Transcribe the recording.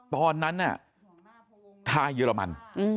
ตอนนั้นน่ะทายเยอรมัน